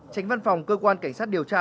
tránh văn phòng cơ quan cảnh sát điều tra